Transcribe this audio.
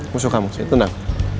musuh kamu tenang